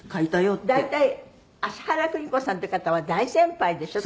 大体葦原邦子さんっていう方は大先輩でしょ？